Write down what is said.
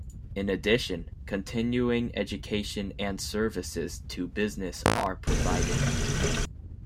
In addition Continuing education and services to business are provided.